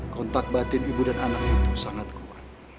kontak batin ibu dan anak itu sangat kuat